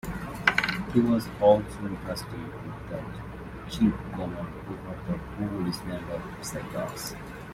He was also entrusted with the chief command over the whole island of Cyprus.